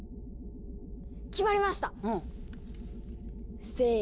決まりました！せの！